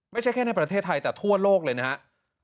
ไม่ใช่แค่ในประเทศไทยแต่ทั่วโลกเลยนะครับ